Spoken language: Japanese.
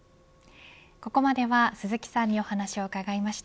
ここまでは鈴木さんにお話を伺いました。